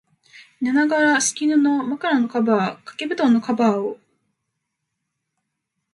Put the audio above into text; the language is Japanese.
寝ながら、敷布、枕のカバー、掛け蒲団のカバーを、